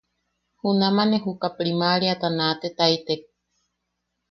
Junama ne juka primaariata naatetaitek.